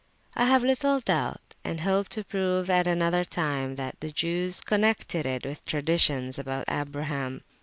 I have little doubt, and hope to prove at another time, that the Jews connected it with traditions about Abraham.